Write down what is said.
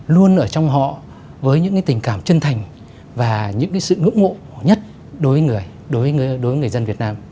luôn ở trong họ với những tình cảm chân thành và những sự ngưỡng ngộ nhất đối với người dân việt nam